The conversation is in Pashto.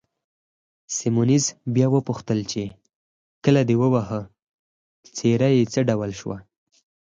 سیمونز بیا وپوښتل چې، کله دې وواهه، څېره یې څه ډول شوه؟